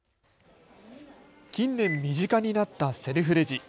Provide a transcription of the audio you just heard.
近年、身近になったセルフレジ。